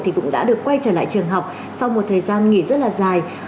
thì cũng đã được quay trở lại trường học sau một thời gian nghỉ rất là dài